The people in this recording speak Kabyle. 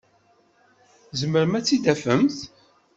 Tzemremt ad t-id-tafemt?